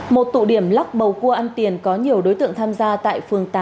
một tụ điểm lắc bầu cua ăn tiền có nhiều đối tượng tham gia tại phường tám